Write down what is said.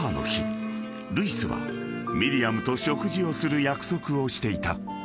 ［ルイスはミリアムと食事をする約束をしていた］